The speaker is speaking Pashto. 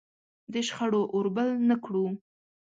د شخړو اور بل نه کړو.